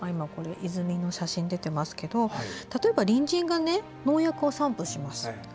泉の写真が出ていますが例えば、隣人が農薬を散布します。